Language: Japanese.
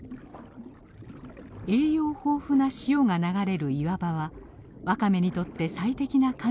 栄養豊富な潮が流れる岩場はワカメにとって最適な環境なのです。